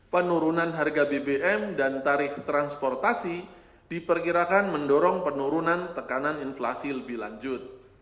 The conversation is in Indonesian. penurunan harga bbm dan tarif transportasi diperkirakan mendorong penurunan tekanan inflasi lebih lanjut